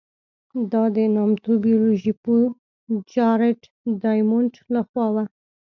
دا د نامتو بیولوژي پوه جارېډ ډایمونډ له خوا وه.